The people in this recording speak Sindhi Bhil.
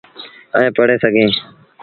ائيٚݩ پڙهي سگھيٚن۔